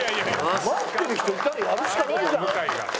待ってる人いたらやるしかないじゃん。